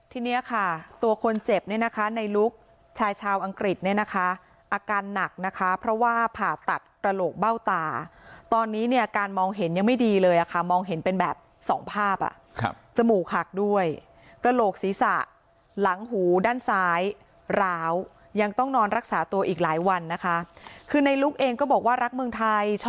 ทีนี้ค่ะตัวคนเจ็บเนี่ยนะคะในลุกชายชาวอังกฤษเนี่ยนะคะอาการหนักนะคะเพราะว่าผ่าตัดกระโหลกเบ้าตาตอนนี้เนี่ยการมองเห็นยังไม่ดีเลยค่ะมองเห็นเป็นแบบสองภาพอ่ะครับจมูกหักด้วยกระโหลกศีรษะหลังหูด้านซ้ายร้าวยังต้องนอนรักษาตัวอีกหลายวันนะคะคือในลุกเองก็บอกว่ารักเมืองไทยช